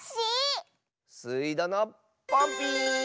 スイどのポンピーン！